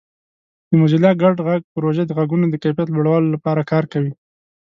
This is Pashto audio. د موزیلا ګډ غږ پروژه د غږونو د کیفیت لوړولو لپاره کار کوي.